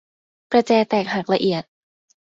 ประแจแตกหักละเอียด